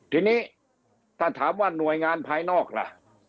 ทีนี้ถ้าถามว่าหน่วยงานภายนอกล่ะ